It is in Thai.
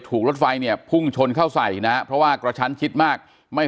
รถไฟเนี่ยพุ่งชนเข้าใส่นะเพราะว่ากระชั้นชิดมากไม่